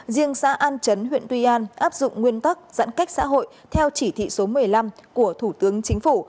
riêng xã an chấn huyện tuy an áp dụng nguyên tắc giãn cách xã hội theo chỉ thị số một mươi năm của thủ tướng chính phủ